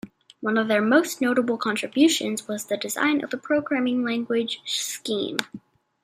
One of their most notable contributions was the design of the programming language Scheme.